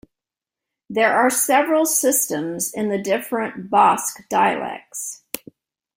There are several systems in the different Basque dialects.